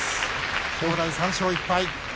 正代３勝１敗。